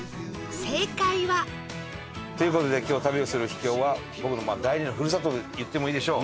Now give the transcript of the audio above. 正解はという事で今日旅をする秘境は僕の第二の故郷と言ってもいいでしょう。